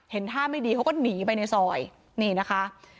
ท่าไม่ดีเขาก็หนีไปในซอยนี่นะคะ